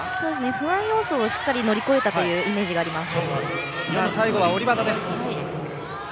不安要素をしっかり乗り越えたというイメージがあります。